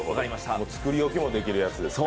作り置きもできるやつですね。